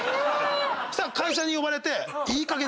そしたら会社に呼ばれて。